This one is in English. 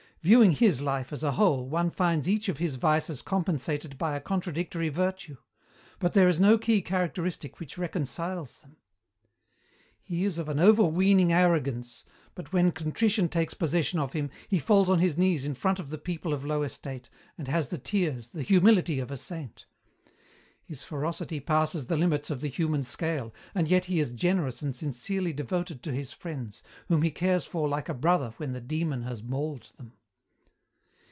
Viewing his life as a whole one finds each of his vices compensated by a contradictory virtue, but there is no key characteristic which reconciles them. "He is of an overweening arrogance, but when contrition takes possession of him, he falls on his knees in front of the people of low estate, and has the tears, the humility of a saint. "His ferocity passes the limits of the human scale, and yet he is generous and sincerely devoted to his friends, whom he cares for like a brother when the Demon has mauled them.